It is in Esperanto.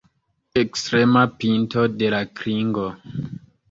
Ekstrema pinto de la klingo.